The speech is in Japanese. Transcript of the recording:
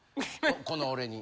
この俺に。